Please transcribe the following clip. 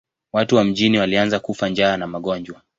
Watu wa mjini walianza kufa njaa na magonjwa.